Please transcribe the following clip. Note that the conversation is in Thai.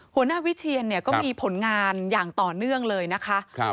หัวหน้าวิเชียนเนี่ยก็มีผลงานอย่างต่อเนื่องเลยนะคะ